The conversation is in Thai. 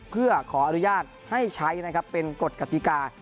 เพื่อขออนุญาตให้ใช้นะครับเป็นกฎกติกา